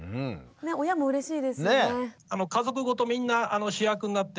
親もうれしいですよね。